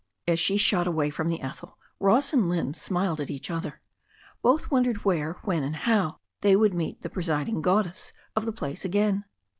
As she shot away from the Ethel, Ross and Lynne smiled at each other. Both wondered where, when, and how they would meet the presiding goddess of the place again.